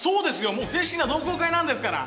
もう正式な同好会なんですから。